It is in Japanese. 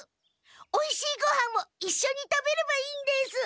おいしいごはんをいっしょに食べればいいんです。